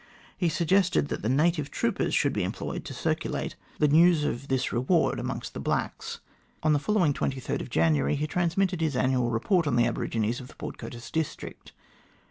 He suggested that the native troopers should be employed to circulate the 148 THE GLADSTONE COLONY news of this reward amongst the blacks. On the follow ing January 23, he transmitted his annual report on the aborigines of the Port Curtis district.